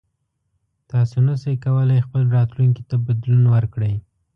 تاسو نشئ کولی خپل راتلونکي ته بدلون ورکړئ.